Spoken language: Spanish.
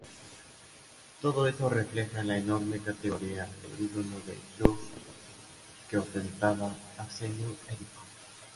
Todo eso refleja la enorme categoría de ídolo del club que ostentaba Arsenio Erico.